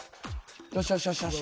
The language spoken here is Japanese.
よしよしよしよし。